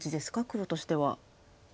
黒としては。